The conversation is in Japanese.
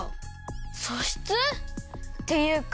そしつ？っていうか